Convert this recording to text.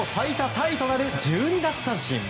タイとなる１２奪三振。